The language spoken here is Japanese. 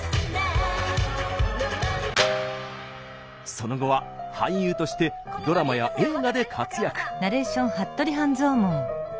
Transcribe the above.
その後は俳優としてドラマや映画で活躍。